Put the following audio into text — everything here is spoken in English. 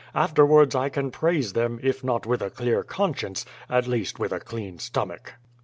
Afterwards I can praise them, if not with a clear conscience, at least with a clean stomach."